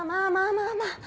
まあまあ。